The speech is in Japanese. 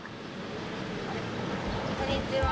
こんにちは。